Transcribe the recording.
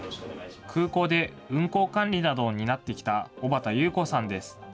空港で運航管理などを担ってきた尾幡有子さんです。